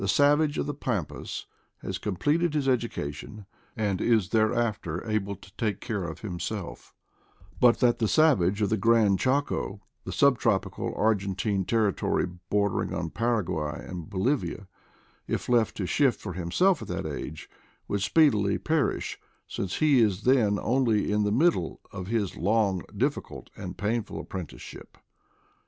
savage of the Pampas has. completed his education, and is thereafter able to take care of himself; but that the savage of the Gran Chaco — the sub tropical Argentine territory bordering on Paraguay and Bolivia — if left to shift for himself at that age would speedily per ish, since he is then only in the middle of his long, difficult, and painful apprenticeship.